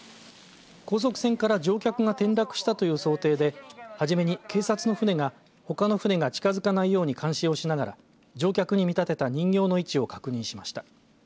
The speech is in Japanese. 高速船から乗客が転落したという想定で初めに警察の船がほかの船が近づかないように監視をしながら乗客に見立てた人形の位置を確認しました。